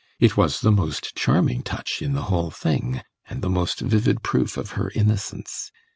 It was the most charming touch in the whole thing, and the most vivid proof of her innocence.